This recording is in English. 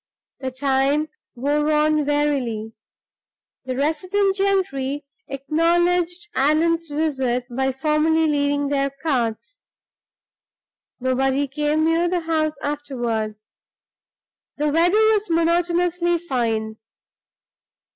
The time wore on wearily. The resident gentry acknowledged Allan's visit by formally leaving their cards. Nobody came near the house afterward; the weather was monotonously fine.